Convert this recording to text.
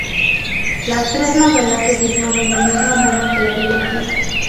Las tres novelas se sitúan en el mismo mundo que la trilogía.